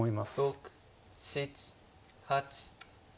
６７８９。